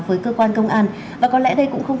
với cơ quan công an và có lẽ đây cũng không